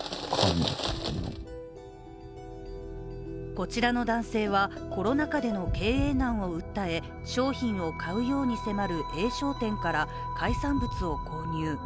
こちらの男性は、コロナ禍での経営難を訴え商品を買うように迫るＡ商店から海産物を購入。